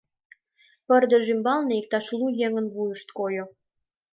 — пырдыж ӱмбалне иктаж лу еҥын вуйышт койо.